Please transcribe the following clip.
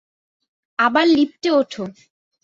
আবার লিফটে ওঠো।